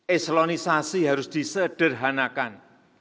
eselonisasi harus disederhanakan